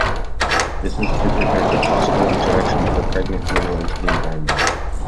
This is to prevent the possible introduction of a pregnant female into the environment.